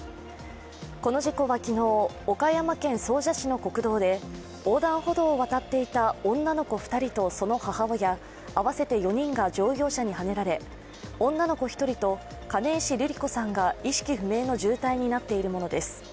この事故は昨日、岡山県総社市の国道で横断歩道を渡っていた女の子２人とその母親合わせて４人が乗用車にはねられ、女の子１人と金石ルリ子さんが意識不明の重体になっているものです。